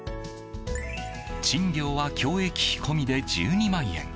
賃料は共益費込みで１２万円。